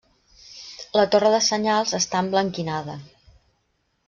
La torre de senyals està emblanquinada.